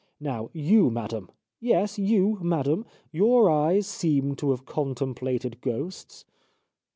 Now you, Madame, yes, you, Madame, your eyes seem to have contemplated ghosts.